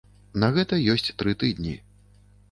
На гэта ёсць тры тыдні.